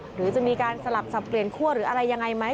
หรือจะมีการสลับสับเปลี่ยนคั่วหรืออะไรยังไงไหม